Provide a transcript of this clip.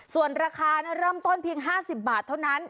ส่วนราคาเริ่มต้นเพียง๕๐บาทเท่านั้น